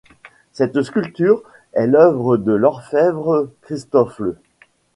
Cette sculpture est l'œuvre de l'orfèvre Christofle.